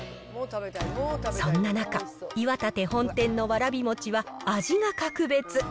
そんな中、岩立本店のわらび餅は、味が格別。